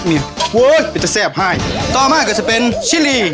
เนี่ยโว้ยมันจะแซ่บไห้ต่อมาก็จะเป็นชิลี